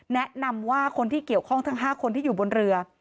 แนะนำว่าคนที่เกี่ยวข้องทั้ง๕คนที่อยู่บนเรือ